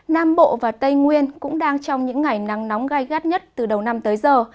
nam bộ và tây nguyên cũng đang trong những ngày nắng nóng gai gắt nhất từ đầu năm tới giờ